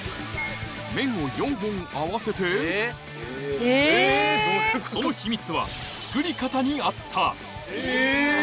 麺を４本合わせてその秘密は作り方にあったえ！